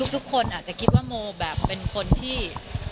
ทุกคนอาจจะคิดว่าโมแบบเป็นคนที่